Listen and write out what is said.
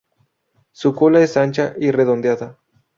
Su cola es ancha y redondeada.